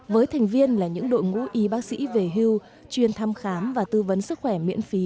với thành viên là những đội ngũ y bác sĩ về hưu chuyên thăm khám và tư vấn sức khỏe miễn phí